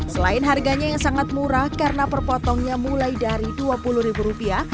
selain harganya yang sangat murah karena perpotongnya mulai dari dua puluh ribu rupiah